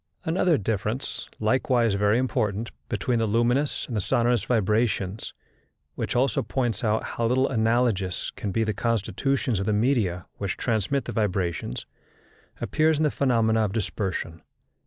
Another difference, likewise very important, between the luminous and the sonorous vibrations, which also points out how little analogous can be the constitutions of the media which transmit the vibrations, appears in the phenomena of dispersion.